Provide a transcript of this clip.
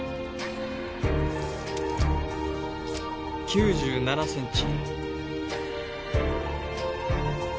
９７センチ。